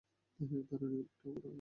দারুণ একটা ঘোড়া।